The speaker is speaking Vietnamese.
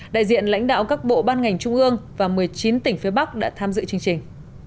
đại diện lãnh đạo các bộ ban ngành trung ương và một mươi chín tỉnh phía bắc đã tham dự chương trình